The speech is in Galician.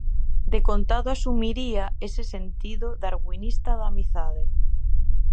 Decontado asumiría ese sentido darwinista da amizade.